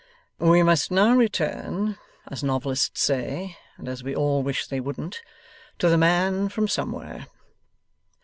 'We must now return, as novelists say, and as we all wish they wouldn't, to the man from Somewhere.